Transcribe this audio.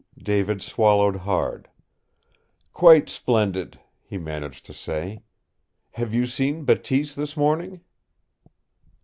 David swallowed hard. "Quite splendid," he managed to say. "Have you seen Bateese this morning?"